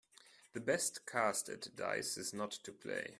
The best cast at dice is not to play.